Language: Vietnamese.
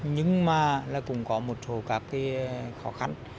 nhưng mà cũng có một số các cái khó khăn